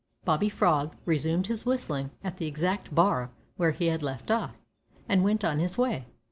Bobby Frog resumed his whistling, at the exact bar where he had left off, and went on his way.